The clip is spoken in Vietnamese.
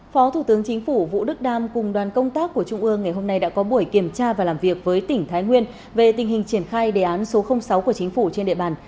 phó thủ tướng chính phủ vũ đức đam cùng đoàn công tác của trung ương ngày hôm nay đã có buổi kiểm tra và làm việc với tỉnh thái nguyên về tình hình triển khai đề án số sáu của chính phủ trên địa bàn